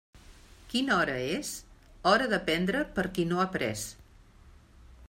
Quina hora és? Hora de prendre per qui no ha pres.